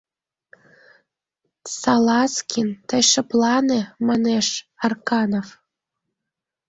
— Салазкин, тый шыплане, — манеш Арканов.